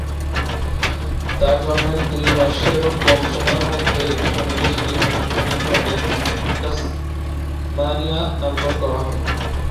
তার জন্মের দুই মাসেরও কম সময়ের মধ্যে উপনিবেশটির আনুষ্ঠানিকভাবে তাসমানিয়া নামকরণ করা হয়।